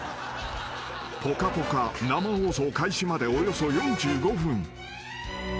［『ぽかぽか』生放送開始までおよそ４５分］